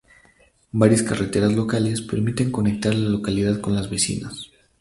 Varias carreteras locales permiten conectar la localidad con las vecinas.